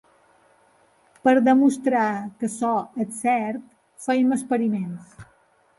Per demostrar que això és cert, fem experiments.